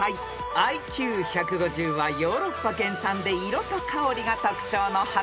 ［ＩＱ１５０はヨーロッパ原産で色と香りが特徴の花です］